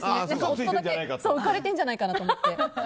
夫だけ浮かれてんじゃないかなと思って。